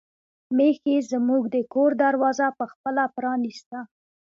میښې زموږ د کور دروازه په خپله پرانیسته.